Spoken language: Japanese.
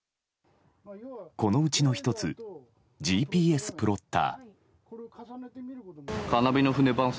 このうちの１つＧＰＳプロッター。